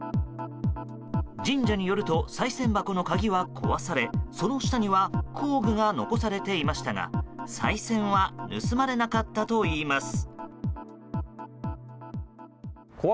神社によるとさい銭箱の鍵は壊されその下には工具が残されていましたがさい銭は盗まれなかったといいます。